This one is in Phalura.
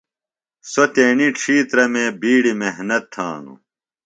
سوۡ تیݨی ڇِھیترہ مے بیڈیۡ محنت تھانوۡ۔